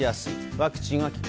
ワクチンは効く？